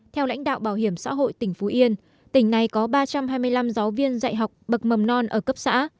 theo lãnh đạo bảo hiểm xã hội tỉnh phú yên tỉnh này có ba trăm hai mươi năm giáo viên dạy học bậc mầm non ở cấp xã